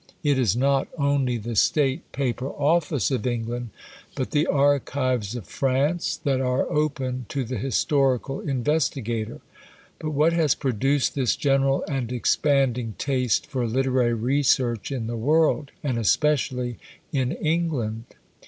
It is not only the State Paper Office of England, but the Archives of France, that are open to the historical investigator. But what has produced this general and expanding taste for literary research in the world, and especially in England?